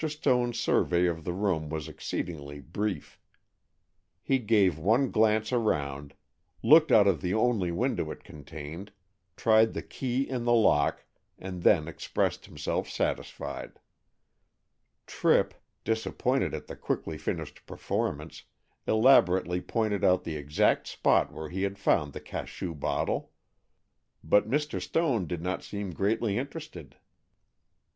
Stone's survey of the room was exceedingly brief. He gave one glance around, looked out of the only window it contained, tried the key in the lock, and then expressed himself satisfied. Tripp, disappointed at the quickly finished performance, elaborately pointed out the exact spot where he had found the cachou bottle, but Mr. Stone did not seem greatly interested.